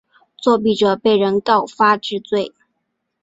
作弊者被人告发治罪。